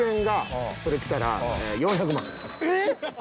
えっ！